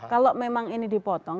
kalau memang ini dipotong